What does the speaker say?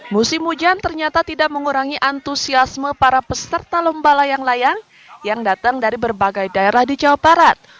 musim hujan ternyata tidak mengurangi antusiasme para peserta lomba layang layang yang datang dari berbagai daerah di jawa barat